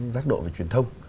giác độ về truyền thông